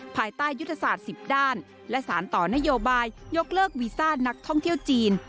ภายใต้ยุทธศาสตร์๑๐ด้านและสารต่อนโยบายยกเลิกวีซ่านักท่องเที่ยวจีน